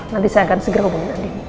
nanti saya akan segera hubungi andin